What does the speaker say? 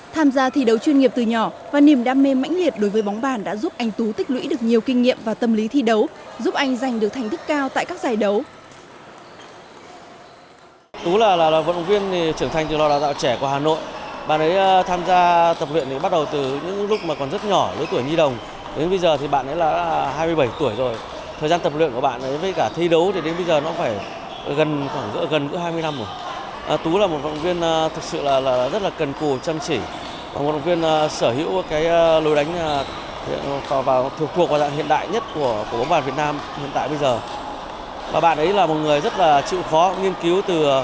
tham gia thi đấu chuyên nghiệp từ nhỏ và niềm đam mê mãnh liệt đối với bóng bàn đã giúp anh tú tích lũy được nhiều kinh nghiệm và tâm lý thi đấu giúp anh giành được thành thức cao tại các giải đấu